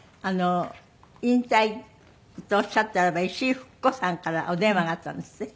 引退とおっしゃったらば石井ふく子さんからお電話があったんですって？